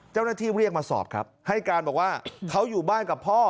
เจ้านอาทิบบเรียกมาสอบครับให้การบอกว่าเขาอยู่บ้านกับพ่อ